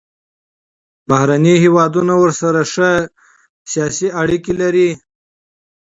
بهرني هیوادونه ورسره ښې ډیپلوماتیکې اړیکې لري.